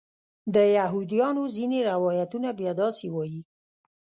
د یهودیانو ځینې روایتونه بیا داسې وایي.